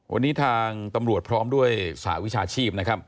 วันนี้ทางตำรวจพร้อมด้วยสระวิชาชีพ